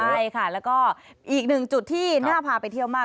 ใช่ค่ะแล้วก็อีกหนึ่งจุดที่น่าพาไปเที่ยวมาก